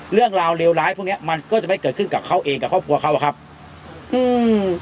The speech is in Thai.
เรื่องราวเลวร้ายพวกเนี้ยมันก็จะไม่เกิดขึ้นกับเขาเองกับครอบครัวเขาอะครับอืม